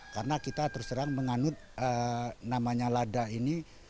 karena kita terserang menganut namanya lada ini